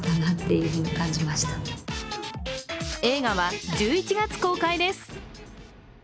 映画は１１月公開です。